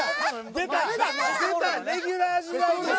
出たレギュラー時代。